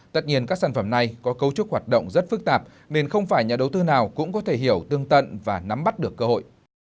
tất nhiên các sản phẩm này có cấu trúc hoạt động rất phức tạp nên không phải nhà đầu tư nào cũng có thể hiểu tương tận và nắm bắt được cơ hội